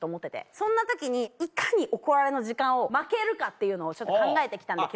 そんな時にいかに怒られの時間を巻けるかっていうのを考えて来たんで今日は。